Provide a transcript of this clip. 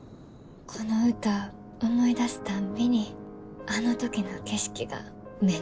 この歌思い出すたんびにあの時の景色が目の前に広がんねん。